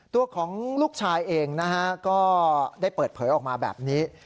ตัวของลูกชายเองนะฮะก็ได้เปิดเผยออกมาแบบนี้